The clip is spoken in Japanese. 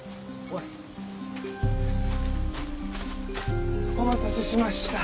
お待たせしました。